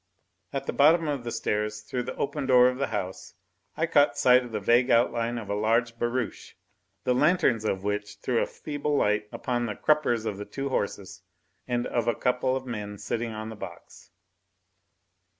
At the bottom of the stairs through the open door of the house I caught sight of the vague outline of a large barouche, the lanthorns of which threw a feeble light upon the cruppers of two horses and of a couple of men sitting on the box.